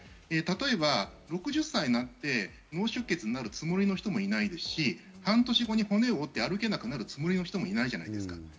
例えば６０歳になって脳出血になるつもりの人もいないですし、半年後に骨を折って歩けなくなるつもりの人もいないじゃないですか。